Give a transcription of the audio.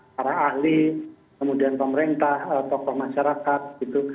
para ahli kemudian pemerintah tokoh masyarakat gitu